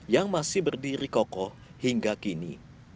yang masih berdiri kokoh hingga kini